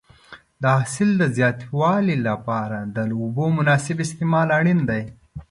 د حاصل د زیاتوالي لپاره د اوبو مناسب استعمال اړین دی.